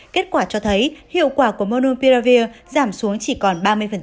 kết quả cho thấy hiệu quả của monopiravir giảm xuống chỉ còn ba mươi